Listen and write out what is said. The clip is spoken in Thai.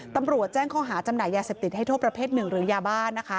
ตำรวจแจ้งข้อหาจำหน่ายยาเสพติดให้โทษประเภทหนึ่งหรือยาบ้านะคะ